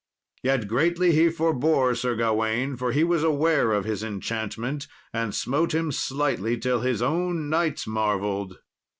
Yet greatly he forbore Sir Gawain, for he was aware of his enchantment, and smote him slightly till his own knights marvelled.